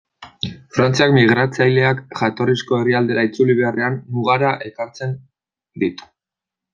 Frantziak migratzaileak jatorrizko herrialdera itzuli beharrean, mugara ekartzen ditu.